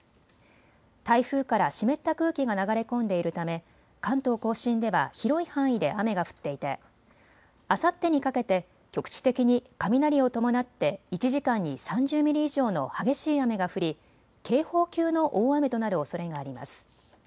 台風から湿った空気が流れ込んでいるため関東甲信では広い範囲で雨が降っていてあさってにかけて局地的に雷を伴って１時間に３０ミリ以上の激しい雨が降り警報級の大雨となるおそれがあります。